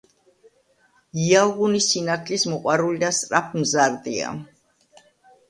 იალღუნი სინათლის მოყვარული და სწრაფმზარდია.